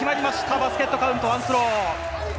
バスケットカウントワンスロー。